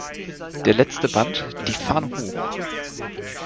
Der letzte Band "Die Fahne hoch!